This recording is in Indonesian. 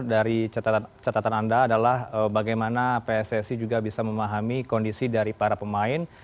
dari catatan anda adalah bagaimana pssi juga bisa memahami kondisi dari para pemain